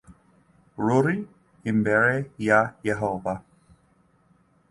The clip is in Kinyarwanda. Ruri imbere ya yehova